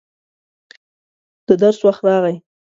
د درس وخت راغی.